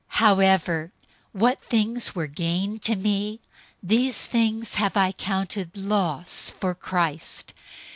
003:007 However, what things were gain to me, these have I counted loss for Christ.